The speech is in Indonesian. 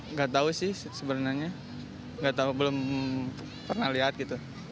nggak tahu sih sebenarnya belum pernah lihat gitu